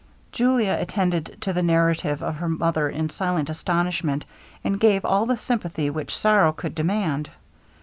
Julia attended to the narrative of her mother in silent astonishment, and gave all the sympathy which sorrow could demand.